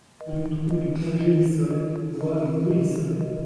On y trouve du pergélisol, voire du mollisol.